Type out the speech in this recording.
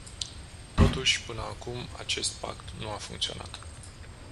Totuși, până acum, acest pact nu a funcționat.